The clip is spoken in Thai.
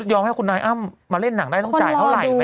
ยอมให้คุณนายอ้ำมาเล่นหนังได้ต้องจ่ายเท่าไหร่